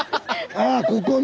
ああここね。